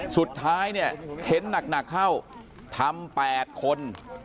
สุดท้ายเนี่ยเห็นหนักเข้าทำ๘คน